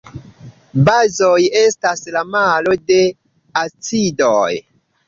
Bazoj estas la malo de acidoj.